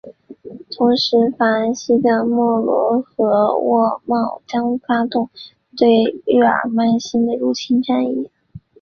同时法兰西的莫罗和喔戌将发动对日耳曼新的入侵战役。